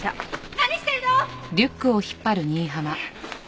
何してるの！？